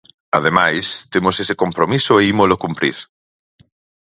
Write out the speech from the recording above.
Ademais, temos ese compromiso e ímolo cumprir.